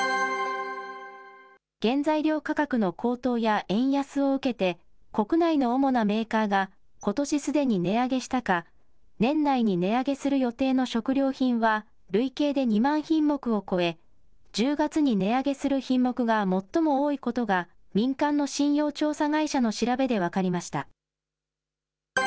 原材料価格の高騰や円安を受けて、国内の主なメーカーがことしすでに値上げしたか、年内に値上げする予定の食料品は累計で２万品目を超え、１０月に値上げする品目が最も多いことが、民間の信用調査会社の調べで分かりました。